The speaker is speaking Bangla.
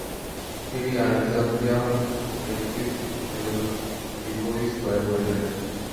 তিনি ‘আলেকজান্দ্রিয়া’ ‘মেম্ফিস’ ‘হেলিপোলিস’ জয় করলেন ।